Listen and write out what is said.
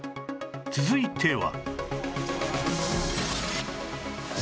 続いては